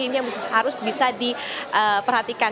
ini yang harus bisa diperhatikan